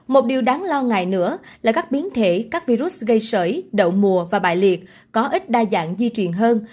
một điều đáng lo ngại nữa là các biến thể các virus gây sởi đậu mùa và bại liệt có ít đa dạng di chuyển hơn